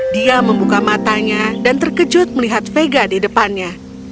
dia membuka matanya dan terkejut melihat vega di depannya